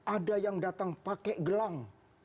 ada yang datang pakai gelang